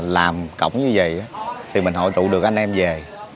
làm cổng như vậy thì mình hội tụ được anh em về